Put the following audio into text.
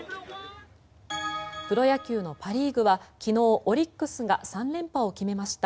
プロ野球のパ・リーグは昨日オリックスが３連覇を決めました。